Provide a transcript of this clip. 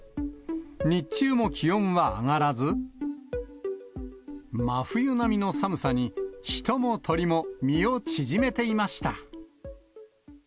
日中も気温は上がらず、真冬並みの寒さに人も鳥も、身を縮めていました。